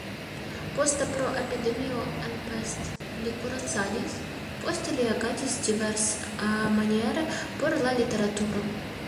Poste pro epidemio en Pest li kuracadis, poste li agadis diversmaniere por la literaturo.